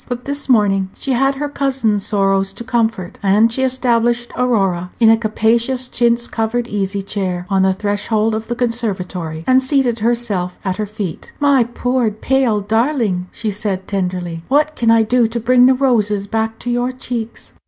But this morning she had her cousin's sorrows to comfort, and she established Aurora in a capacious chintz covered easy chair on the threshold of the conservatory, and seated herself at her feet. "My poor, pale darling," she said, tenderly, "what can I do to bring the roses back to your cheeks?"